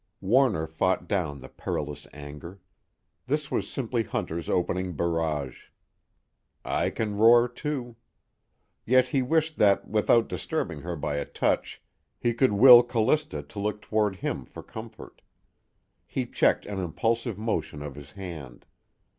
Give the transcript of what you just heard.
Warner fought down the perilous anger. This was simply Hunter's opening barrage. I can roar, too. Yet he wished that without disturbing her by a touch he could will Callista to look toward him for comfort. He checked an impulsive motion of his hand.